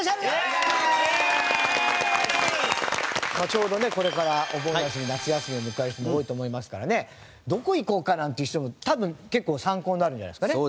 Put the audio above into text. ちょうどねこれからお盆休み夏休みを迎える人も多いと思いますからねどこ行こうか？なんていう人も多分結構参考になるんじゃないですかね。